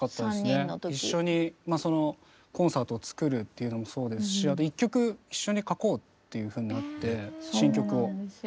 一緒にコンサートを作るっていうのもそうですし一曲一緒に書こうっていうふうになって新曲を。